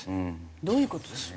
どういう事ですか？